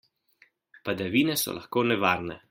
Padavine so lahko nevarne.